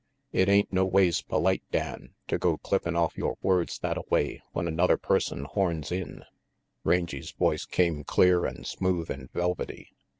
"It ain't noways polite, Dan, to go clippin' off 258 , RANGY PETE yore words thattaway when another person horns in," Rangy 's voice came clear and smooth and velvety.